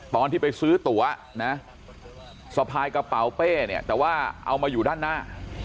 ตอนที่ไปซื้อตั๋วนะสะพายกระเป๋าเป้เนี่ยแต่ว่าเอามาอยู่ด้านหน้า